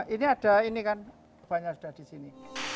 ini ada ini kan banyak sudah di sini